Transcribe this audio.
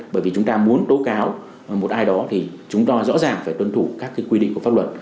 bởi vì chúng ta muốn tố cáo một ai đó thì chúng ta rõ ràng phải tuân thủ các quy định của pháp luật